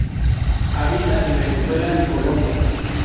Habita en Venezuela y Colombia.